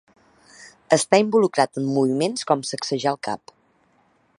Està involucrat en moviments com sacsejar el cap.